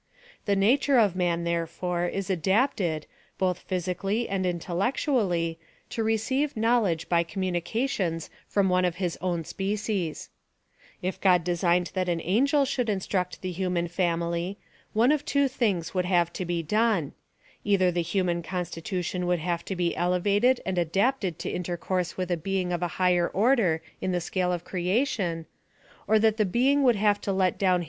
The nature of man, therefore, is adapted, both physically and intellectually, to receive knowl edge by communicatioLS from one of his own spe cies If God desiorned that an antjel should instmct tile human family, one of two things would have to be done— either the human constitution would have to be elevated and adapted to intercourse with 8 124 i'HILOSOPHY OP THE a bciiiJf uf a higher order in the scale of creatioi , or that beinof would have to let down hi?